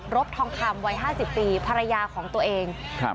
บทองคำวัยห้าสิบปีภรรยาของตัวเองครับ